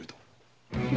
何？